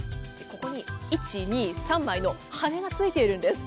ここに１、２、３枚の羽根がついているんです。